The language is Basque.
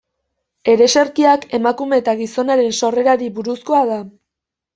Ereserkiak emakume eta gizonaren sorrerari buruzkoa da.